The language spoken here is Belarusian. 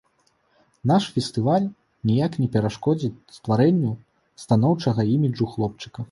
Наш фестываль ніяк не перашкодзіць стварэнню станоўчага іміджу хлопчыка.